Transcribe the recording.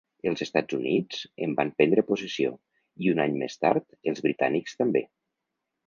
Els Estats Units en van prendre possessió, i un any més tard, els britànics també.